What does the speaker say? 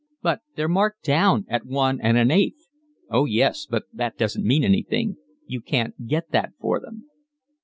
"But they're marked down at one and an eighth." "Oh yes, but that doesn't mean anything. You can't get that for them."